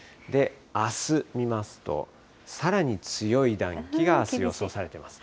あす見ますと、さらに強い暖気があす、予想されています。